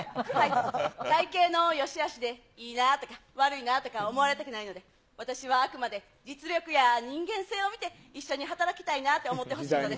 体形のよしあしでいいなとか、悪いなとか思われたくないので、私はあくまで実力や人間性を見て、一緒に働きたいなと思ってほしいので。